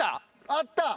あった。